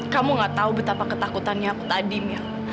kamu nggak tahu betapa ketakutannya aku tadi mil